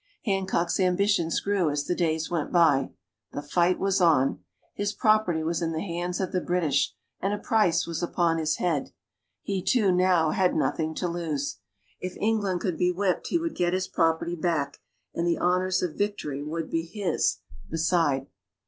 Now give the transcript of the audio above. Hancock's ambitions grew as the days went by. The fight was on. His property was in the hands of the British, and a price was upon his head. He, too, now had nothing to lose. If England could be whipped he would get his property back, and the honors of victory would be his, beside.